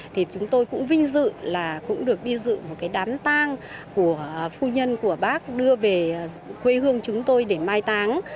thì chúng tôi cũng vinh dự là cũng được đi dự một cái đám tang của phu nhân của bác đưa về quê hương chúng tôi để mai táng